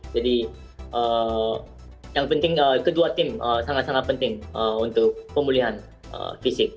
jadi yang penting kedua tim sangat sangat penting untuk pemulihan fisik